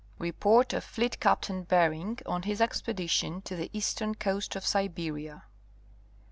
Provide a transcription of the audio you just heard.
185 Report oF FLEET CAPTrain BERING ON HIS EXPEDITION TO THE EASTERN COAST OF SIBERIA.